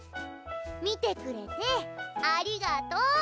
見てくれてありがとう。